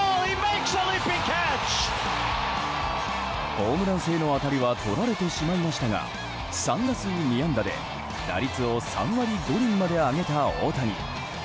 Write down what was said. ホームラン性の当たりはとられてしまいましたが３打数２安打で打率を３割５厘まで上げた大谷。